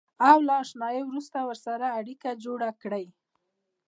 او له اشنایۍ وروسته ورسره اړیکه جوړه کړئ.